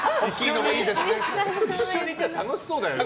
一緒にいたら楽しそうだよね。